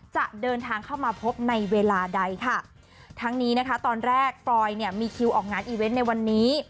จะเดินทางเข้ามาพบในเวลาใดค่ะทั้งนี้นะคะตอนแรกฟรอยเนี่ยมีคิวออกงานอีเวนต์ในวันนี้